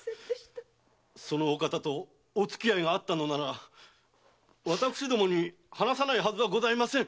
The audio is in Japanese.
そのお方とおつき合いがあったのなら私どもに話さないはずはございません！